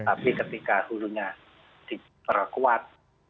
tapi ketika hulunya diperkuat